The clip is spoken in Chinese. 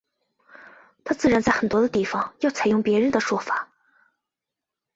他自然在很多地方要采用别人的说法。